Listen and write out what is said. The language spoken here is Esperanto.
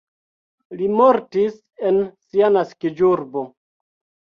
Li mortis en sia naskiĝurbo.